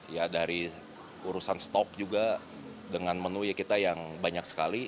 ya dari urusan stok juga dengan menu ya kita yang banyak sekali